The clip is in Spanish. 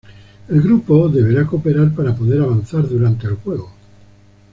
El grupo deberá cooperar para poder avanzar durante el juego.